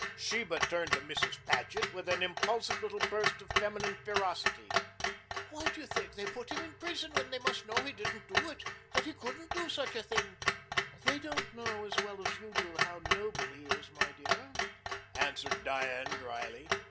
Sheba turned to Mrs. Paget with an impulsive little burst of feminine ferocity. "Why do they put him in prison when they must know he didn't do it that he couldn't do such a thing?" "They don't all know as well as you do how noble he is, my dear," answered Diane dryly.